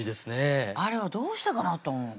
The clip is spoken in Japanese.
あれはどうしてかなと思う